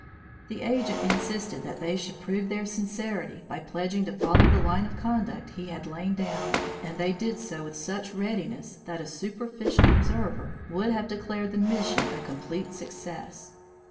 The Agent insisted that they should prove their sincerity by pledging to follow the line of conduct he had lain down, and they did so with such readiness that a superficial observer would have declared the mission a complete success.